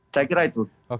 saya kira itu